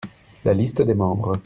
la liste des membres.